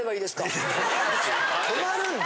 泊まるんだ！？